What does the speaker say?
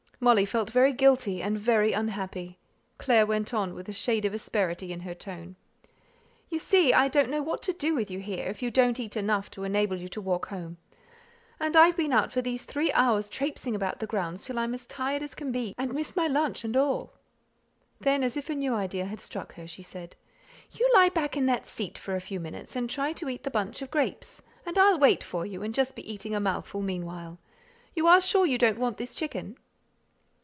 Molly felt very guilty and very unhappy. Clare went on, with a shade of asperity in her tone: "You see, I don't know what to do with you here if you don't eat enough to enable you to walk home. And I've been out for these three hours trapesing about the grounds till I'm as tired as can be, and missed my lunch and all." Then, as if a new idea had struck her, she said, "You lie back in that seat for a few minutes, and try to eat the bunch of grapes, and I'll wait for you, and just be eating a mouthful meanwhile. You are sure you don't want this chicken?"